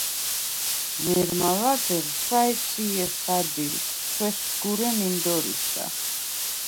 მე̄რმა ლადეღ ჩვაწჲე სადილდ, ჩვესსგურე მინდორისა.